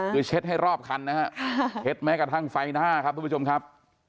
คือเช็ดให้รอบคันนะฮะเช็ดแม้กระทั่งไฟหน้าครับทุกผู้ชมครับ